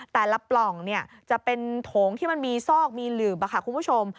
ปล่องจะเป็นโถงที่มันมีซอกมีหลืบคุณผู้ชม